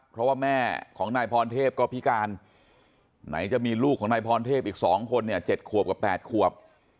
เพราะว่าแม่ของนายพรเทพก็พิการไหนจะมีลูกของนายพรเทพอีก๒คนเนี่ย๗ขวบกับ๘ขวบ